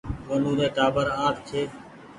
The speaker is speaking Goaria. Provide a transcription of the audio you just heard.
ونو ري ٽآٻر اٺ ڇي